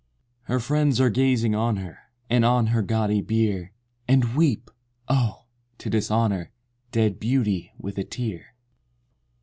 II. Her friends are gazing on her, And on her gaudy bier, And weep!—oh! to dishonor Dead beauty with a tear!